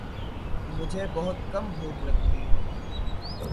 مجھے بہت کم بھوک لگتی ہے